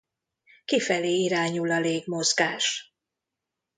Kifelé irányul a légmozgás.